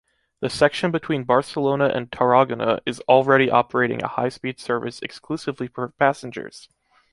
The section between Barcelona and Tarragona is already operating a high speed service exclusively for passengers.